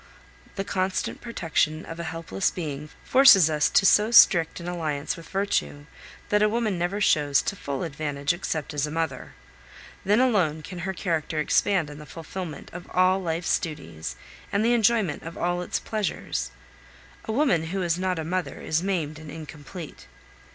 The constant protection of a helpless being forces us to so strict an alliance with virtue, that a woman never shows to full advantage except as a mother. Then alone can her character expand in the fulfilment of all life's duties and the enjoyment of all its pleasures. A woman who is not a mother is maimed and incomplete.